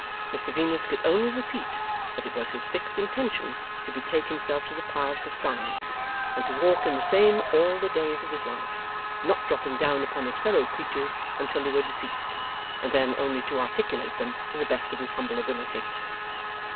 Mr Venus could only repeat that it was his fixed intention to betake himself to the paths of science, and to walk in the same all the days of his life; not dropping down upon his fellow creatures until they were deceased, and then only to articulate them to the best of his humble ability.